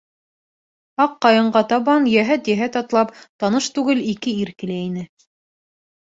Аҡ ҡайынға табан, йәһәт-йәһәт атлап, таныш түгел ике ир килә ине.